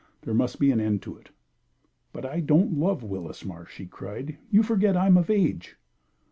There must be an end to it." "But I don't love Willis Marsh!" she cried. "You forget I am of age."